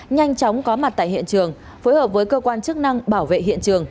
nhanh chóng có mặt tại hiện trường phối hợp với cơ quan chức năng bảo vệ hiện trường